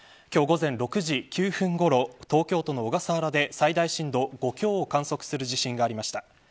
今日、午前６時９分ごろ東京都の小笠原で最大震度５強を観測する地震がありました。